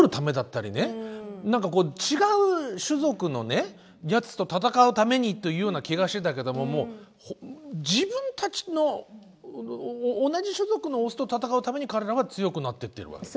何か違う種族のねやつと戦うためにというような気がしてたけどももう自分たちの同じ種族のオスと戦うために体が強くなってってるわけだ。